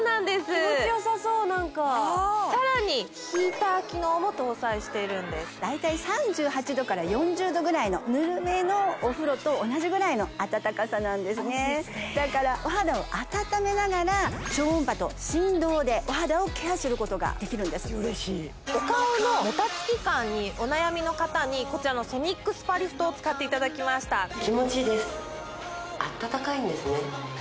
気持ちよさそう何かさらにヒーター機能も搭載しているんです大体３８℃から４０℃ぐらいのぬるめのお風呂と同じぐらいの温かさなんですねだからお肌を温めながら超音波と振動でお肌をケアすることができるんです嬉しいお顔のもたつき感にお悩みの方にこちらのソニックスパリフトを使っていただきましたさあ